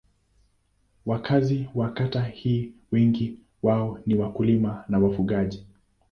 Wakazi wa kata hii wengi wao ni wakulima na wafugaji.